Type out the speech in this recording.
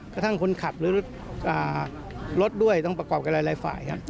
กระทั่งคนขับหรือรถด้วยต้องประกอบกับหลายฝ่ายครับ